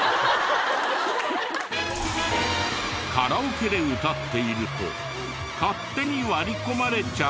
カラオケで歌っていると勝手に割り込まれちゃう。